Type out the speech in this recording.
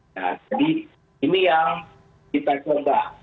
nah jadi ini yang kita coba